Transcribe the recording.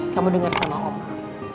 kamu dengar kata mama